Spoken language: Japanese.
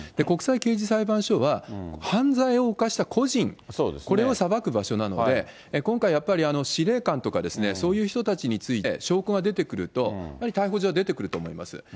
国際刑事裁判所は、犯罪を犯した個人、これを裁く場所なので、今回、やっぱり司令官とか、そういう人たちについて、証拠が出てくると、やはり逮捕状は出てくると思います。